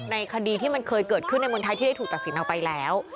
ในคดีที่มันเคยเกิดขึ้นในเมืองไทยที่ได้ถูกตัดสินออกไปแล้ว